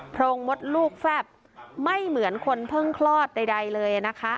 โรงมดลูกแฟบไม่เหมือนคนเพิ่งคลอดใดเลยนะคะ